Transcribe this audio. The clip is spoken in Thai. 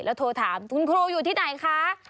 โทรถามคุณครูอยู่ที่ไหนคะ